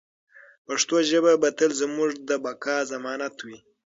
پښتو ژبه به تل زموږ د بقا ضمانت وي.